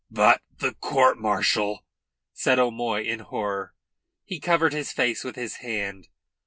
"But the court martial," said O'Moy in horror. He covered his face with his hand.